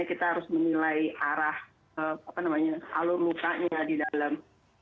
kita harus menilai arah alur mukanya di dalam